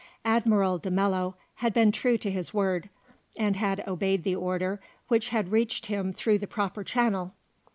Admiral de Mello had been true to his word, and had obeyed the order which had reached him through the proper channel.